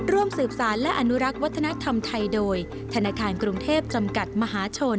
ร่วมสืบสารและอนุรักษ์วัฒนธรรมไทยโดยธนาคารกรุงเทพจำกัดมหาชน